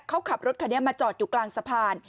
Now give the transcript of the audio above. เขาขับรถคันนี้มาจอดอยู่กลางสะพาน